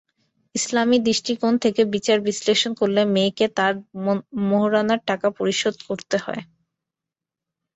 ইসলামি দৃষ্টিকোণ থেকে বিচার-বিশ্লেষণ করলে মেয়েকে তার মোহরানার টাকা পরিশোধ করতে হয়।